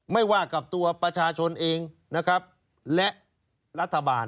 ไม่ว่ากับตัวประชาชนเองนะครับและรัฐบาล